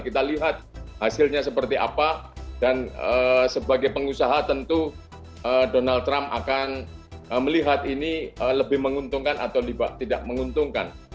kita lihat hasilnya seperti apa dan sebagai pengusaha tentu donald trump akan melihat ini lebih menguntungkan atau tidak menguntungkan